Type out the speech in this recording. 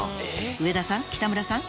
上田さん北村さん